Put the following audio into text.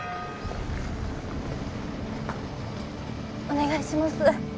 お願いします。